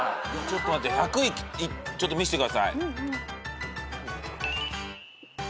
ちょっと待って１００見してください。